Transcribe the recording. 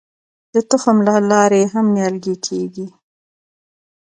د تخم له لارې هم نیالګي کیږي.